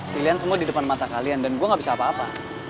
pilihan semua di depan mata kalian dan gue gak bisa apa apa